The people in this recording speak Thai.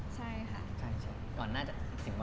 จริงที่เราคุยกันตั้งแต่แรกค่ะ